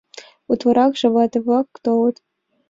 Утларакше вате-влак толыт.